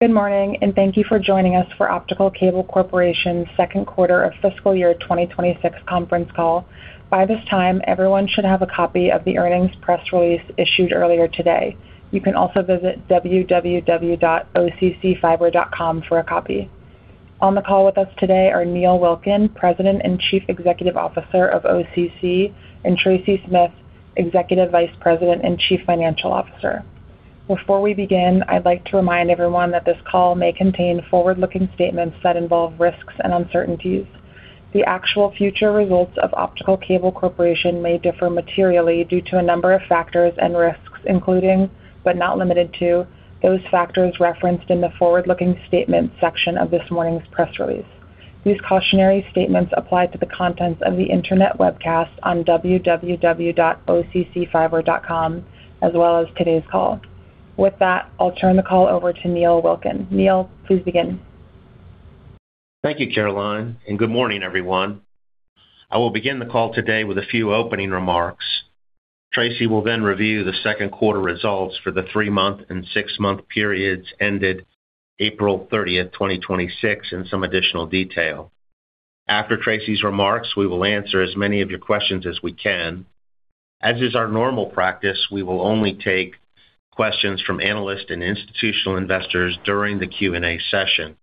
Good morning, and thank you for joining us for Optical Cable Corporation's second quarter of fiscal year 2026 conference call. By this time, everyone should have a copy of the earnings press release issued earlier today. You can also visit www.occfiber.com for a copy. On the call with us today are Neil Wilkin, President and Chief Executive Officer of OCC, and Tracy Smith, Executive Vice President and Chief Financial Officer. Before we begin, I'd like to remind everyone that this call may contain forward-looking statements that involve risks and uncertainties. The actual future results of Optical Cable Corporation may differ materially due to a number of factors and risks, including, but not limited to, those factors referenced in the forward-looking statements section of this morning's press release. These cautionary statements apply to the contents of the internet webcast on www.occfiber.com, as well as today's call. With that, I'll turn the call over to Neil Wilkin. Neil, please begin. Thank you, Caroline, and good morning, everyone. I will begin the call today with a few opening remarks. Tracy will then review the second quarter results for the three-month and six-month periods ended April 30th, 2026, in some additional detail. After Tracy's remarks, we will answer as many of your questions as we can. As is our normal practice, we will only take questions from analysts and institutional investors during the Q&A session.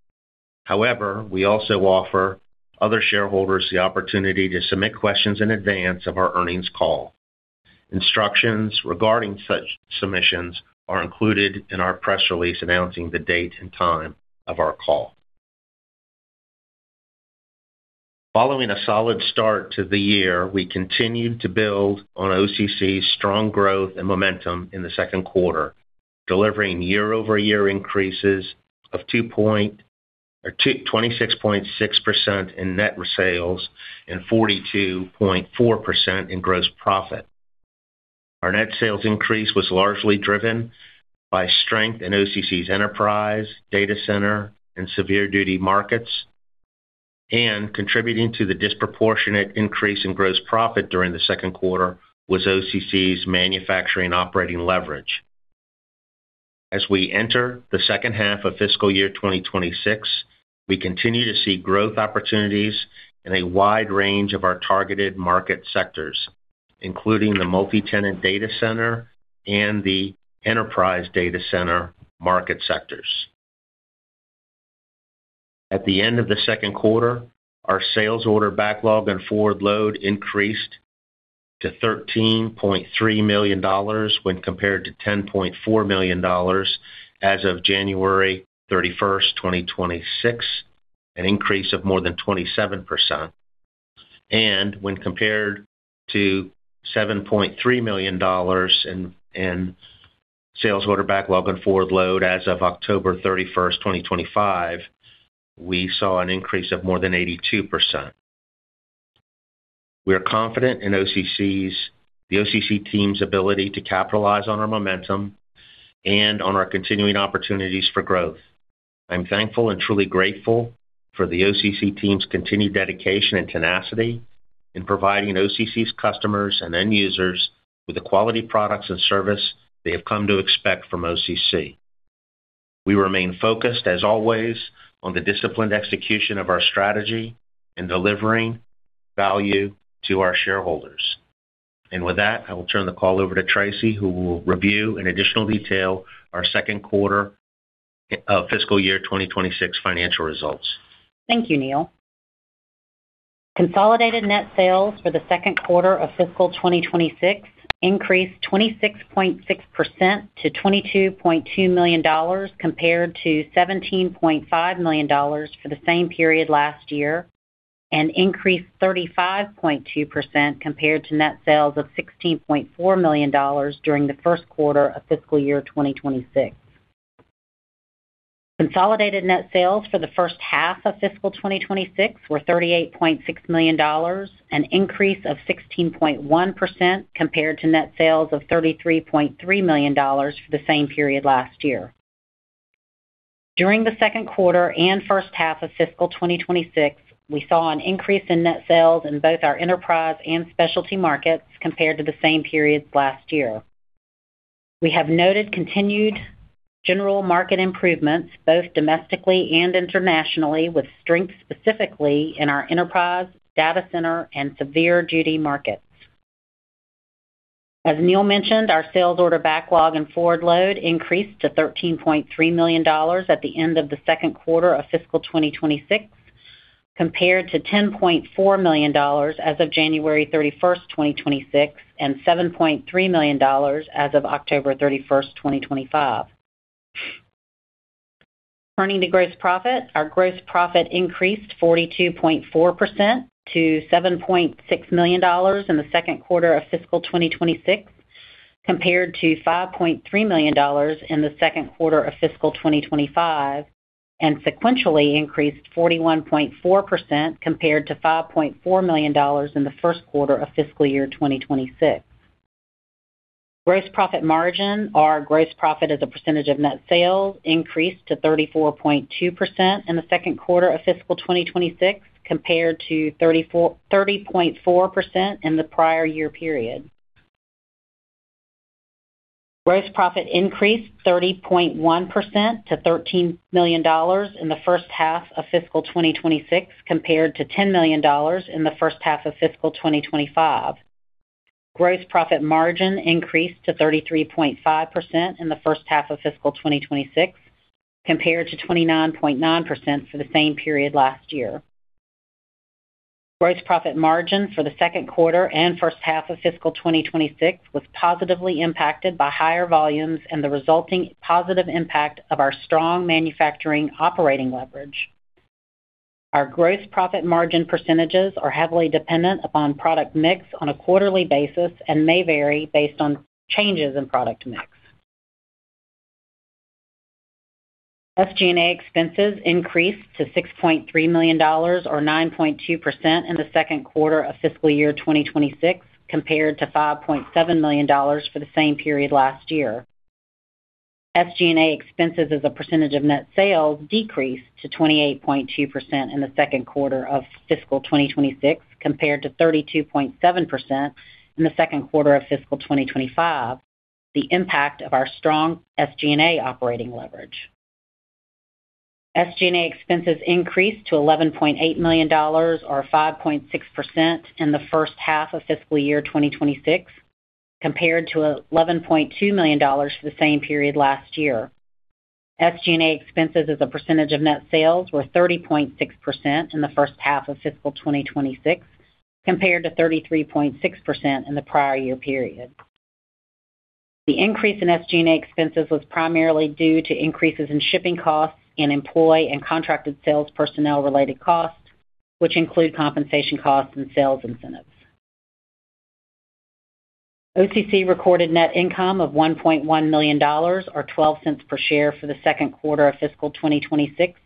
However, we also offer other shareholders the opportunity to submit questions in advance of our earnings call. Instructions regarding such submissions are included in our press release announcing the date and time of our call. Following a solid start to the year, we continued to build on OCC's strong growth and momentum in the second quarter, delivering year-over-year increases of 26.6% in net sales and 42.4% in gross profit. Our net sales increase was largely driven by strength in OCC's enterprise, data center, and severe duty markets, and contributing to the disproportionate increase in gross profit during the second quarter was OCC's manufacturing operating leverage. As we enter the second half of fiscal year 2026, we continue to see growth opportunities in a wide range of our targeted market sectors, including the multi-tenant data center and the enterprise data center market sectors. At the end of the second quarter, our sales order backlog and forward load increased to $13.3 million when compared to $10.4 million as of January 31st, 2026, an increase of more than 27%. When compared to $7.3 million in sales order backlog and forward load as of October 31st, 2025, we saw an increase of more than 82%. We are confident in the OCC team's ability to capitalize on our momentum and on our continuing opportunities for growth. I'm thankful and truly grateful for the OCC team's continued dedication and tenacity in providing OCC's customers and end users with the quality, products, and service they have come to expect from OCC. We remain focused, as always, on the disciplined execution of our strategy in delivering value to our shareholders. With that, I will turn the call over to Tracy, who will review in additional detail our second quarter of fiscal year 2026 financial results. Thank you, Neil. Consolidated net sales for the second quarter of fiscal 2026 increased 26.6% to $22.2 million compared to $17.5 million for the same period last year, and increased 35.2% compared to net sales of $16.4 million during the first quarter of fiscal year 2026. Consolidated net sales for the first half of fiscal 2026 were $38.6 million, an increase of 16.1% compared to net sales of $33.3 million for the same period last year. During the second quarter and first half of fiscal 2026, we saw an increase in net sales in both our enterprise and specialty markets compared to the same periods last year. We have noted continued general market improvements, both domestically and internationally, with strength specifically in our enterprise, data center, and severe duty markets. As Neil mentioned, our sales order backlog and forward load increased to $13.3 million at the end of the second quarter of fiscal 2026, compared to $10.4 million as of January 31st, 2026, and $7.3 million as of October 31st, 2025. Turning to gross profit. Our gross profit increased 42.4% to $7.6 million in the second quarter of fiscal 2026 compared to $5.3 million in the second quarter of fiscal 2025, and sequentially increased 41.4% compared to $5.4 million in the first quarter of fiscal year 2026. Gross profit margin. Our gross profit as a percentage of net sales increased to 34.2% in the second quarter of fiscal 2026 compared to 30.4% in the prior year period. Gross profit increased 30.1% to $13 million in the first half of fiscal 2026, compared to $10 million in the first half of fiscal 2025. Gross profit margin increased to 33.5% in the first half of fiscal 2026, compared to 29.9% for the same period last year. Gross profit margin for the second quarter and first half of fiscal 2026 was positively impacted by higher volumes and the resulting positive impact of our strong manufacturing operating leverage. Our gross profit margin percentages are heavily dependent upon product mix on a quarterly basis and may vary based on changes in product mix. SG&A expenses increased to $6.3 million, or 9.2%, in the second quarter of fiscal year 2026, compared to $5.7 million for the same period last year. SG&A expenses as a percentage of net sales decreased to 28.2% in the second quarter of fiscal 2026, compared to 32.7% in the second quarter of fiscal 2025, the impact of our strong SG&A operating leverage. SG&A expenses increased to $11.8 million or 5.6% in the first half of fiscal year 2026, compared to $11.2 million for the same period last year. SG&A expenses as a percentage of net sales were 30.6% in the first half of fiscal 2026, compared to 33.6% in the prior year period. The increase in SG&A expenses was primarily due to increases in shipping costs and employee and contracted sales personnel-related costs, which include compensation costs and sales incentives. OCC recorded net income of $1.1 million or $0.12 per share for the second quarter of fiscal 2026,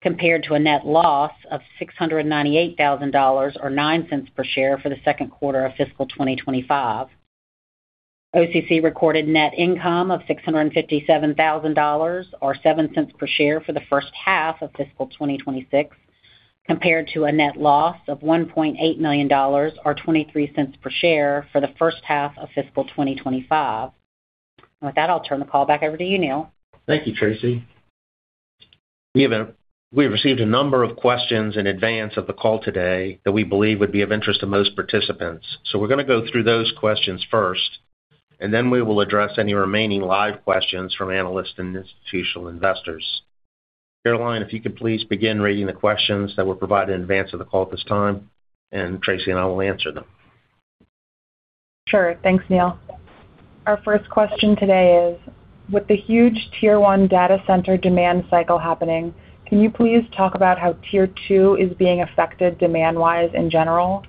compared to a net loss of $698,000, or $0.09 per share for the second quarter of fiscal 2025. OCC recorded net income of $657,000, or $0.07 per share for the first half of fiscal 2026, compared to a net loss of $1.8 million, or $0.23 per share for the first half of fiscal 2025. With that, I'll turn the call back over to you, Neil. Thank you, Tracy. We have received a number of questions in advance of the call today that we believe would be of interest to most participants. We're going to go through those questions first, and then we will address any remaining live questions from analysts and institutional investors. Caroline, if you could please begin reading the questions that were provided in advance of the call at this time, and Tracy and I will answer them. Sure. Thanks, Neil. Our first question today is: With the huge Tier 1 data center demand cycle happening, can you please talk about how Tier 2 is being affected demand-wise in general?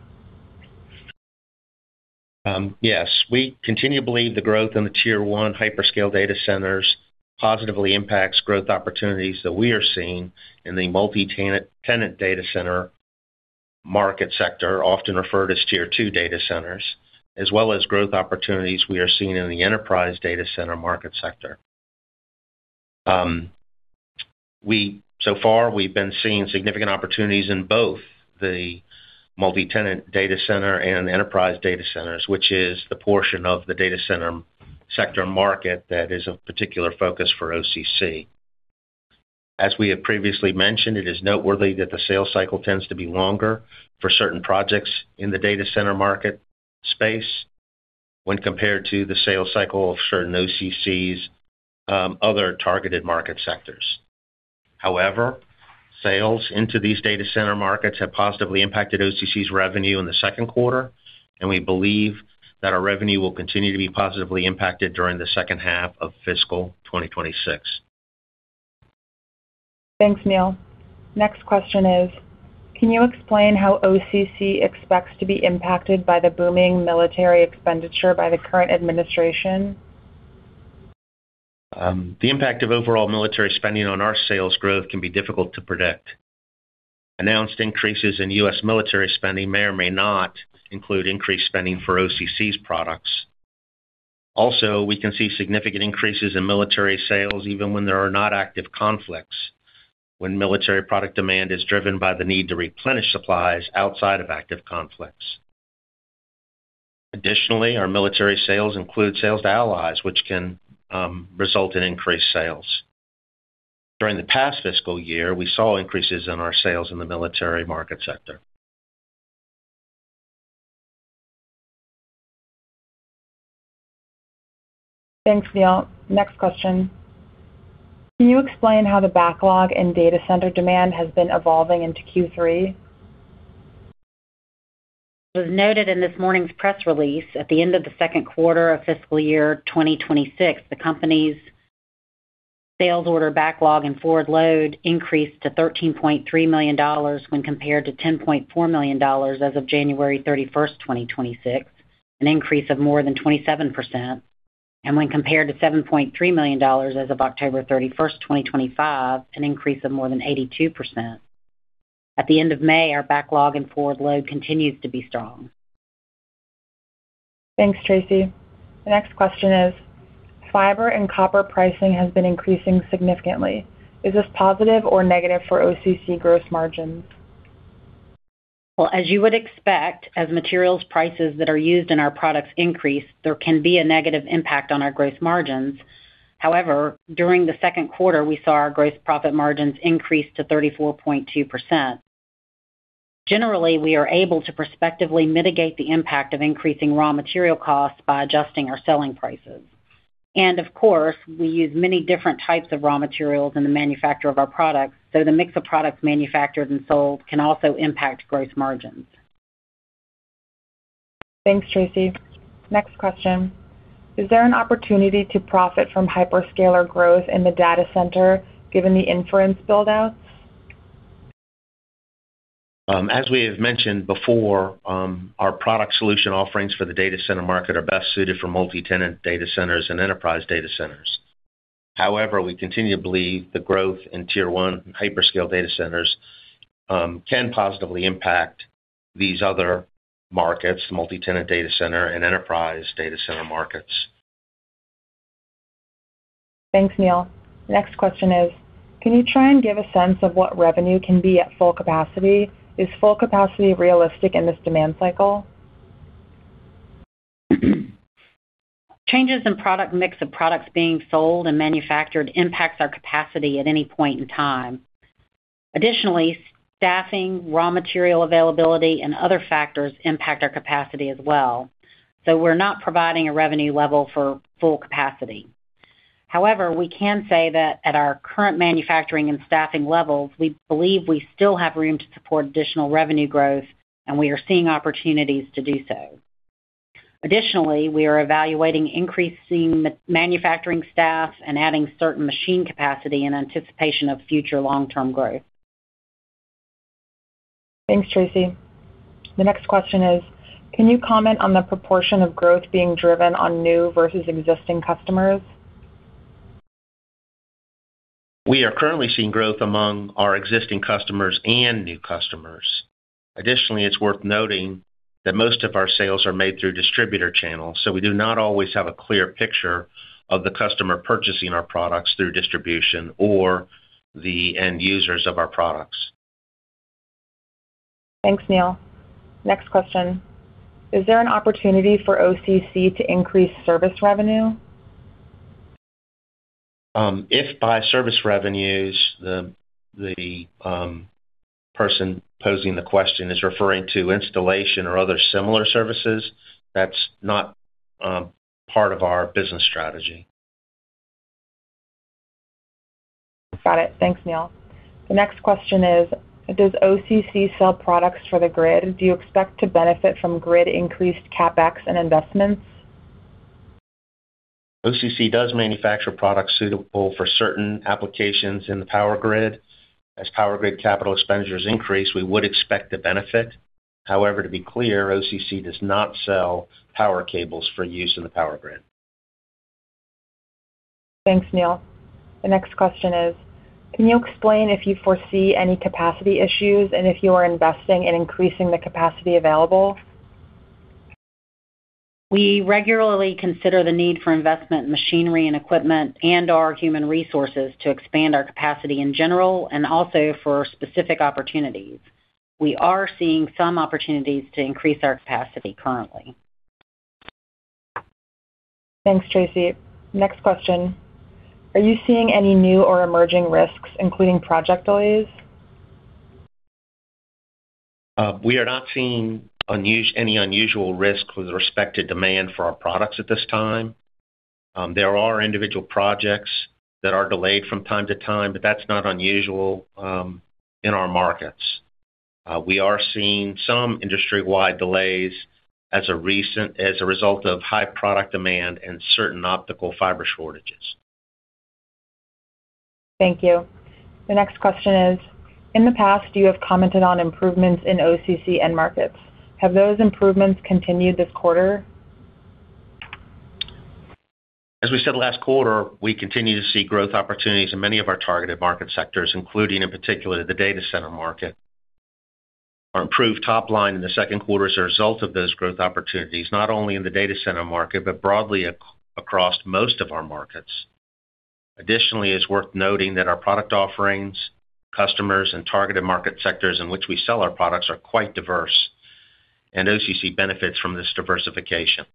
Yes. We continue to believe the growth in the Tier 1 hyperscale data centers positively impacts growth opportunities that we are seeing in the multi-tenant data center market sector, often referred as Tier 2 data centers, as well as growth opportunities we are seeing in the enterprise data center market sector. So far, we've been seeing significant opportunities in both the multi-tenant data center and enterprise data centers, which is the portion of the data center sector market that is of particular focus for OCC. As we have previously mentioned, it is noteworthy that the sales cycle tends to be longer for certain projects in the data center market space when compared to the sales cycle of certain OCCs, other targeted market sectors. Sales into these data center markets have positively impacted OCC's revenue in the second quarter, and we believe that our revenue will continue to be positively impacted during the second half of fiscal 2026. Thanks, Neil. Next question is: Can you explain how OCC expects to be impacted by the booming military expenditure by the current administration? The impact of overall military spending on our sales growth can be difficult to predict. Announced increases in U.S. military spending may or may not include increased spending for OCC's products. We can see significant increases in military sales even when there are not active conflicts, when military product demand is driven by the need to replenish supplies outside of active conflicts. Additionally, our military sales include sales to allies, which can result in increased sales. During the past fiscal year, we saw increases in our sales in the military market sector. Thanks, Neil. Next question. Can you explain how the backlog in data center demand has been evolving into Q3? It was noted in this morning's press release, at the end of the second quarter of fiscal year 2026, the company's sales order backlog and forward load increased to $13.3 million when compared to $10.4 million as of January 31st, 2026, an increase of more than 27%. When compared to $7.3 million as of October 31st, 2025, an increase of more than 82%. At the end of May, our backlog and forward load continues to be strong. Thanks, Tracy. The next question is: Fiber and copper pricing has been increasing significantly. Is this positive or negative for OCC gross margins? Well, as you would expect, as materials prices that are used in our products increase, there can be a negative impact on our gross margins. However, during the second quarter, we saw our gross profit margins increase to 34.2%. Generally, we are able to prospectively mitigate the impact of increasing raw material costs by adjusting our selling prices. Of course, we use many different types of raw materials in the manufacture of our products, so the mix of products manufactured and sold can also impact gross margins. Thanks, Tracy. Next question. Is there an opportunity to profit from hyperscaler growth in the data center given the inference build-outs? As we have mentioned before, our product solution offerings for the data center market are best suited for multi-tenant data centers and enterprise data centers. However, we continue to believe that growth in Tier 1 and hyperscale data centers can positively impact these other markets, multi-tenant data center, and enterprise data center markets. Thanks, Neil. Next question is, can you try and give a sense of what revenue can be at full capacity? Is full capacity realistic in this demand cycle? Changes in product mix of products being sold and manufactured impacts our capacity at any point in time. Additionally, staffing, raw material availability, and other factors impact our capacity as well. We're not providing a revenue level for full capacity. However, we can say that at our current manufacturing and staffing levels, we believe we still have room to support additional revenue growth, and we are seeing opportunities to do so. Additionally, we are evaluating increasing the manufacturing staff and adding certain machine capacity in anticipation of future long-term growth. Thanks, Tracy. The next question is, can you comment on the proportion of growth being driven on new versus existing customers? We are currently seeing growth among our existing customers and new customers. Additionally, it's worth noting that most of our sales are made through distributor channels, so we do not always have a clear picture of the customer purchasing our products through distribution or the end users of our products. Thanks, Neil. Next question. Is there an opportunity for OCC to increase service revenue? If by service revenues, the person posing the question is referring to installation or other similar services, that's not part of our business strategy. Got it. Thanks, Neil. The next question is, does OCC sell products for the grid? Do you expect to benefit from grid increased CapEx and investments? OCC does manufacture products suitable for certain applications in the power grid. As power grid capital expenditures increase, we would expect to benefit. However, to be clear, OCC does not sell power cables for use in the power grid. Thanks, Neil. The next question is, can you explain if you foresee any capacity issues and if you are investing in increasing the capacity available? We regularly consider the need for investment in machinery and equipment and/or human resources to expand our capacity in general and also for specific opportunities. We are seeing some opportunities to increase our capacity currently. Thanks, Tracy. Next question. Are you seeing any new or emerging risks, including project delays? We are not seeing any unusual risk with respect to demand for our products at this time. There are individual projects that are delayed from time to time, but that's not unusual in our markets. We are seeing some industry-wide delays as a result of high product demand and certain optical fiber shortages. Thank you. The next question is, in the past you have commented on improvements in OCC end markets. Have those improvements continued this quarter? As we said last quarter, we continue to see growth opportunities in many of our targeted market sectors, including, in particular, the data center market. Our improved top line in the second quarter is a result of those growth opportunities, not only in the data center market, but broadly across most of our markets. Additionally, it's worth noting that our product offerings, customers, and targeted market sectors in which we sell our products are quite diverse, and OCC benefits from this diversification.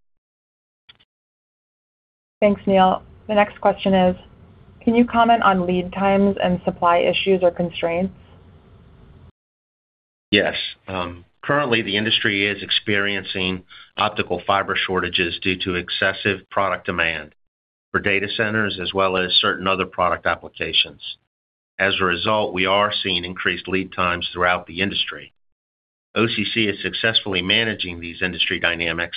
Thanks, Neil. The next question is, can you comment on lead times and supply issues or constraints? Yes. Currently, the industry is experiencing optical fiber shortages due to excessive product demand for data centers as well as certain other product applications. As a result, we are seeing increased lead times throughout the industry. OCC is successfully managing these industry dynamics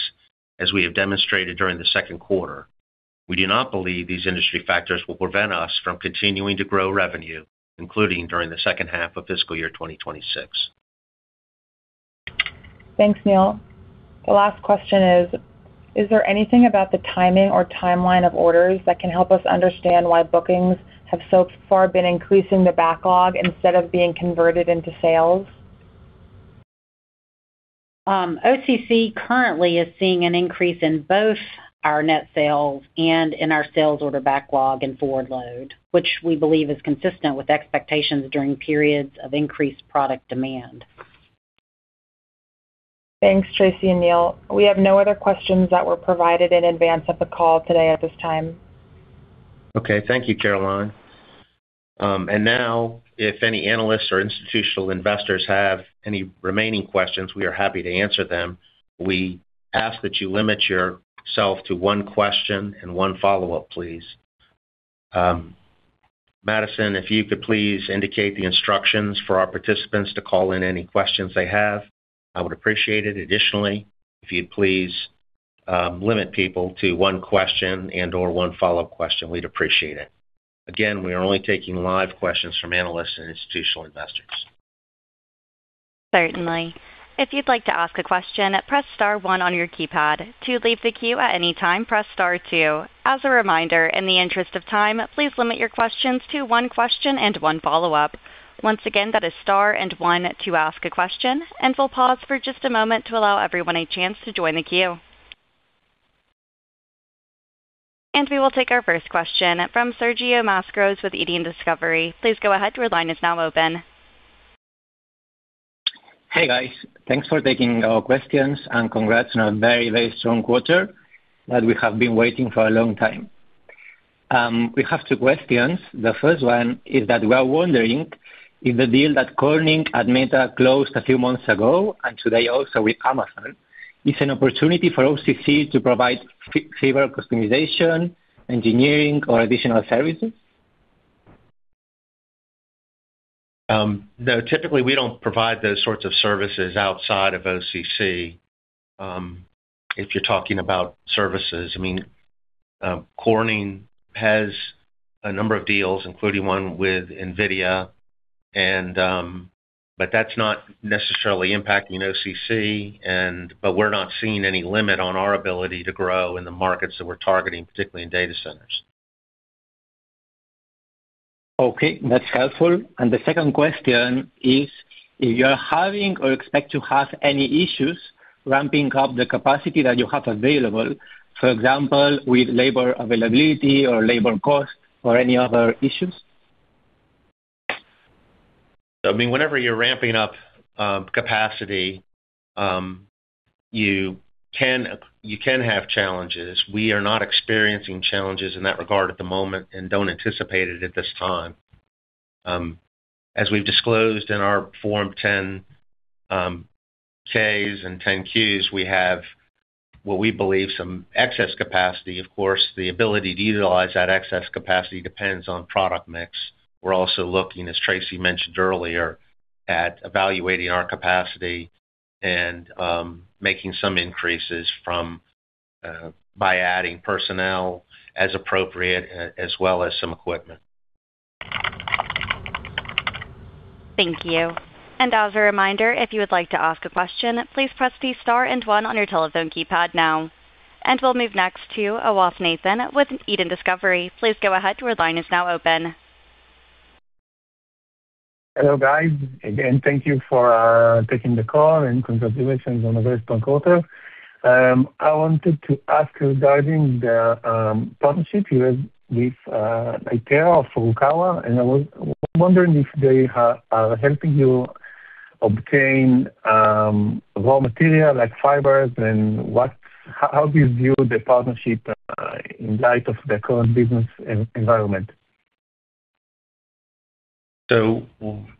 as we have demonstrated during the second quarter. We do not believe these industry factors will prevent us from continuing to grow revenue, including during the second half of fiscal year 2026. Thanks, Neil. The last question is there anything about the timing or timeline of orders that can help us understand why bookings have so far been increasing the backlog instead of being converted into sales? OCC currently is seeing an increase in both our net sales and in our sales order backlog and forward load, which we believe is consistent with expectations during periods of increased product demand. Thanks, Tracy and Neil. We have no other questions that were provided in advance of the call today at this time. Okay. Thank you, Caroline. Now, if any analysts or institutional investors have any remaining questions, we are happy to answer them. We ask that you limit yourself to one question and one follow-up, please. Madison, if you could please indicate the instructions for our participants to call in any questions they have, I would appreciate it. Additionally, if you'd please limit people to one question and/or one follow-up question, we'd appreciate it. Again, we are only taking live questions from analysts and institutional investors. Certainly. If you'd like to ask a question, press star one on your keypad. To leave the queue at any time, press star two. As a reminder, in the interest of time, please limit your questions to one question and one follow-up. Once again, that is star and one to ask a question, and we'll pause for just a moment to allow everyone a chance to join the queue. We will take our first question from Sergio Mascaro with Eden Discovery. Please go ahead, your line is now open. Hey, guys. Thanks for taking our questions, and congrats on a very, very strong quarter that we have been waiting for a long time. We have two questions. The first one is that we're wondering if the deal that Corning had made closed a few months ago, and today also with Amazon, is an opportunity for OCC to provide fiber customization, engineering, or additional services. No, typically, we don't provide those sorts of services outside of OCC. If you're talking about services, Corning has a number of deals, including one with NVIDIA, that's not necessarily impacting OCC. We're not seeing any limit on our ability to grow in the markets that we're targeting, particularly in data centers. Okay. That's helpful. The second question is, if you're having or expect to have any issues ramping up the capacity that you have available, for example, with labor availability or labor cost or any other issues? Whenever you're ramping up capacity, you can have challenges. We are not experiencing challenges in that regard at the moment and don't anticipate it at this time. As we've disclosed in our Form 10-Ks and 10-Qs, we have what we believe some excess capacity. Of course, the ability to utilize that excess capacity depends on product mix. We're also looking, as Tracy mentioned earlier, at evaluating our capacity and making some increases by adding personnel as appropriate, as well as some equipment. Thank you. As a reminder, if you would like to ask a question, please press the star and one on your telephone keypad now. We'll move next to Assaf Nathan with Eden Discovery. Please go ahead, your line is now open. Hello, guys. Thank you for taking the call, and congratulations on a very strong quarter. I wanted to ask regarding the partnership you have with Lightera Furukawa, I was wondering if they are helping you obtain raw material like fibers, and how do you view the partnership in light of the current business environment?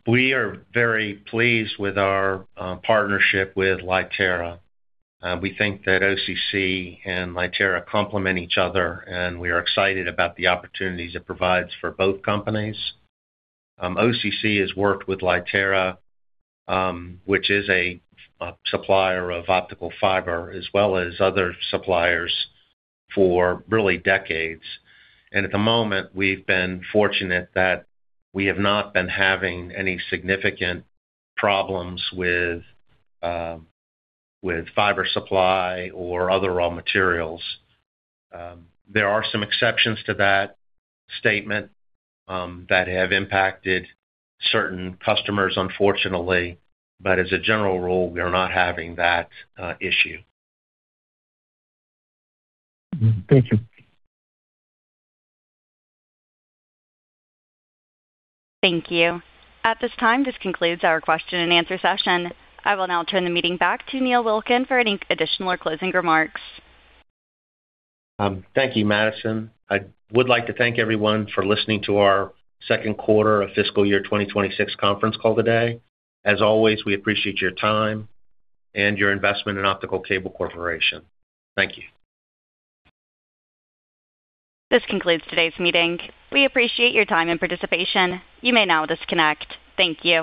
We are very pleased with our partnership with Lightera. We think that OCC and Lightera complement each other, we are excited about the opportunities it provides for both companies. OCC has worked with Lightera, which is a supplier of optical fiber, as well as other suppliers, for really decades. At the moment, we've been fortunate that we have not been having any significant problems with fiber supply or other raw materials. There are some exceptions to that statement that have impacted certain customers, unfortunately. As a general rule, we are not having that issue. Thank you. Thank you. At this time, this concludes our question and answer session. I will now turn the meeting back to Neil Wilkin for any additional or closing remarks. Thank you, Madison. I would like to thank everyone for listening to our second quarter of fiscal year 2026 conference call today. As always, we appreciate your time and your investment in Optical Cable Corporation. Thank you. This concludes today's meeting. We appreciate your time and participation. You may now disconnect. Thank you.